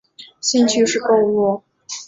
兴趣是购物。